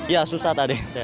ya susah tadi